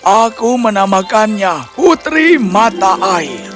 aku menamakannya putri mata air